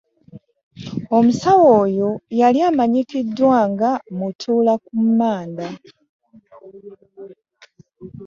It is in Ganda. Omusawo oyo yali amanyikiddwa nga “mutuula ku manda”